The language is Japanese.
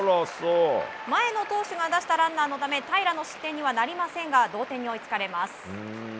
前の投手が出したランナーのため平良の失点にはなりませんが同点に追いつかれます。